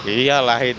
iya lah itu